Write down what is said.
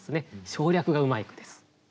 省略がうまい句です。